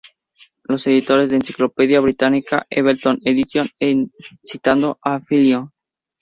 Los editores de la "Encyclopædia Britannica Eleventh Edition", citando a Plinio iii.